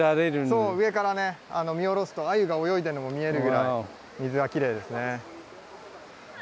そう上から見下ろすと鮎が泳いでるのも見えるぐらい水がきれいですね。